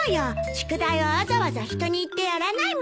宿題はわざわざ人に言ってやらないもの。